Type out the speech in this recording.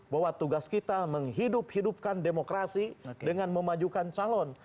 bahwa tugas kita menghidup hidupkan demokrasi dengan memajukan calon